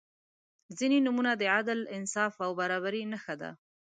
• ځینې نومونه د عدل، انصاف او برابري نښه ده.